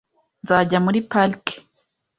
Nzajya muri parike .